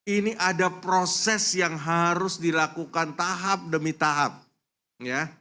ini ada proses yang harus dilakukan tahap demi tahap ya